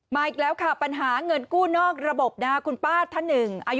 อีกแล้วค่ะปัญหาเงินกู้นอกระบบนะคุณป้าท่านหนึ่งอายุ